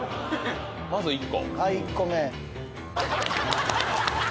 まず１個。